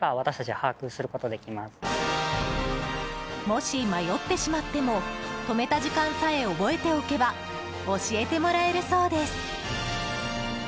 もし迷ってしまっても止めた時間さえ覚えておけば教えてもらえるそうです。